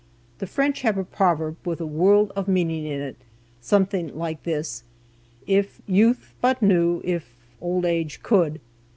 The French have a proverb with a world of meaning in it, something like this: "If youth but knew if old age could!"